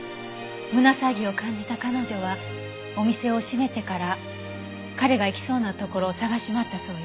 胸騒ぎを感じた彼女はお店を閉めてから彼が行きそうな所を捜し回ったそうよ。